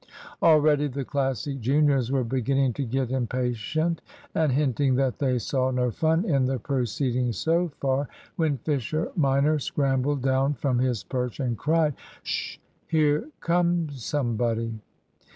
Already the Classic juniors were beginning to get impatient, and hinting that they saw no fun in the proceeding so far, when Fisher minor scrambled down from his perch and cried: "Sh! here comes somebody."